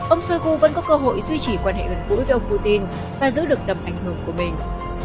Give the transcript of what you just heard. ông shoigu vẫn có cơ hội duy trì quan hệ gần gũi với ông putin và giữ được tầm ảnh hưởng của mình